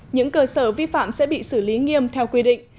những cơ sở vi phạm sẽ bị xử lý nghiêm theo quy định